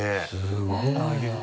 すごいな。